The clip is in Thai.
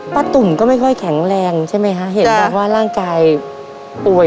ตุ่มก็ไม่ค่อยแข็งแรงใช่ไหมคะเห็นบอกว่าร่างกายป่วย